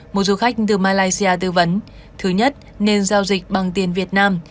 một du khách từ malaysia tư vấn thứ nhất nên giao dịch bằng tiền việt nam